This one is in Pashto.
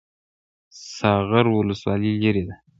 ساغر ولسوالۍ لیرې ده؟